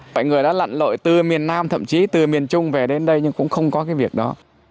mọi người đã lặn lội từ miền nam thậm chí từ miền trung về đến đây nhưng cũng không có cái việc đó